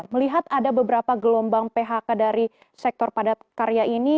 melihat ada beberapa gelombang phk dari sektor padat karya ini